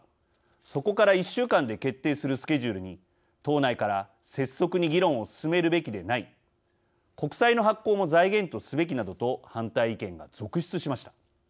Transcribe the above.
そこから１週間で決定するスケジュールに党内から「拙速に議論を進めるべきでない」「国債の発行も財源とすべき」などと反対意見が続出しました。